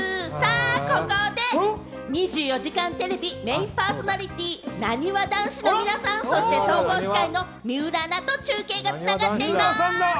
ここで『２４時間テレビ』メインパーソナリティー・なにわ男子の皆さん、そして総合司会の水卜アナと中継が繋がっています。